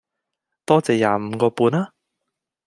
多謝廿五個半吖